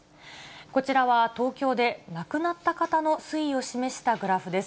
こちらは、東京で亡くなった方の推移を示したグラフです。